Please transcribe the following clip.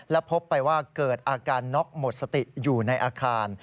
และพบไปว่าเกิดอาการน็อกหมดสติอยู่ในอาคาร